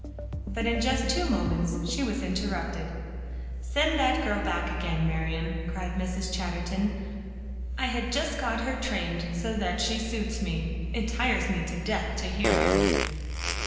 But in just two moments she was interrupted. "Send that girl back again, Marian," cried Mrs. Chatterton. "I had just got her trained so that she suits me. It tires me to death to hear you."